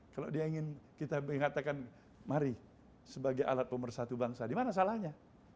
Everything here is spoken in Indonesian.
kalau dia ingin kita mengatakan mari sebagai alat pemersatu bangsa di mana salahnya